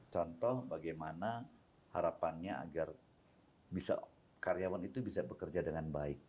contoh bagaimana harapannya agar bisa karyawan itu bisa bekerja dengan baik